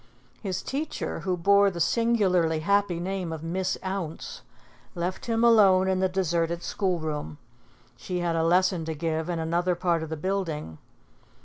His teacher, who bore the singularly happy name of Miss Ounce, left him alone in the deserted school room. She had a lesson to give in another part of the building.